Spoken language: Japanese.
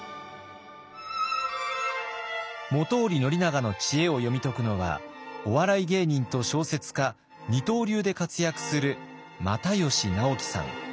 本居宣長の知恵を読み解くのはお笑い芸人と小説家二刀流で活躍する又吉直樹さん。